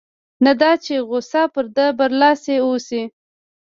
نه دا چې غوسه پر ده برلاسې اوسي.